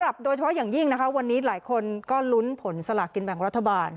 โดยเฉพาะอย่างยิ่งนะคะวันนี้หลายคนก็ลุ้นผลสลากกินแบ่งรัฐบาล